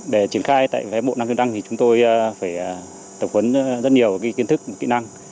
để triển khai tại phái bộ năm chương trang thì chúng tôi phải tập huấn rất nhiều kiến thức kỹ năng